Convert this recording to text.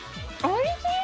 おいしい！